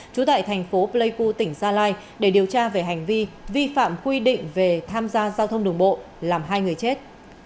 trú tại thành phố pleiku tỉnh gia lai để điều tra về hành vi vi phạm quy định về tham gia giao thông đường bộ làm hai người chết